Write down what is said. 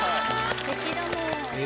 すてきだもん。